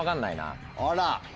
あら！